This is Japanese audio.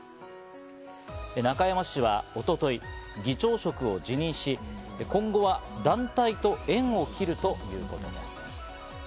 中山氏は一昨日、議長職を辞任し、今後は団体と縁を切るということです。